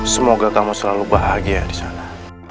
semoga kamu selalu bahagia disana